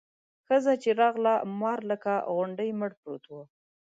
ښځه چې راغله مار لکه غونډی مړ پروت و.